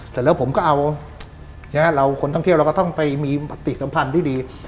เสร็จแล้วผมก็เอาเราคนท่องเที่ยวเราก็ต้องไปมีปฏิสัมพันธ์ที่ดี